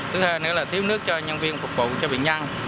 thứ hai nữa là thiếu nước cho nhân viên phục vụ cho bệnh nhân